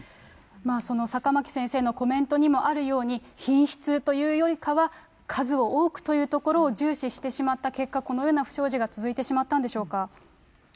その坂巻先生のコメントにもあるように、品質というよりかは数を多くというところを重視してしまった結果、このような不祥事が続いてしまったんでしょうか。